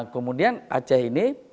kemudian aceh ini